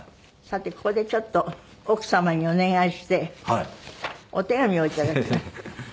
さてここでちょっと奥様にお願いしてお手紙をいただいた。